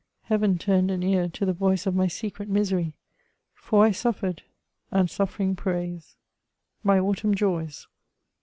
Heaven turned an ear to the voice of my secret misery ; for I suffered — and suffering pniys. MY AUTUMN JOYS.